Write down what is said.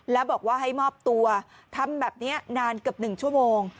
แล้วบอกว่าให้มอบตัวทำแบบนี้นานเกือบ๑ชั่วโมง